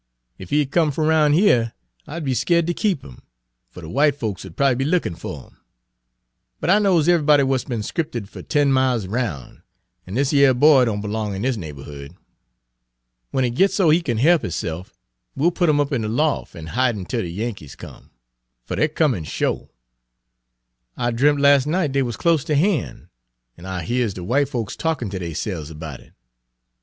Ef he had come f'om roun' yere I'd be skeered ter keep 'im, fer de w'ite folks 'u'd prob'ly be lookin' fer 'im. But I knows ev'ybody w'at's be'n conscripted fer ten miles 'roun', an' dis yere boy don' b'long in dis neighborhood. W'en 'e gits so 'e kin he'p 'isse'f we'll put 'im up in de lof' an' hide 'im till de Yankees come. Fer dey're comin' sho'. I dremp' las' night dey wuz close ter han', and I hears de w'ite folks talkin' ter deyse'ves 'bout it.